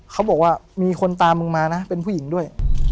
เขาบอกว่ามีคนตามมึงมานะเป็นผู้หญิงด้วย